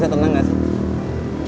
jangan jangan jangan